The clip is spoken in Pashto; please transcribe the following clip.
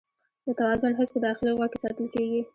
د توازن حس په داخلي غوږ کې ساتل کېږي.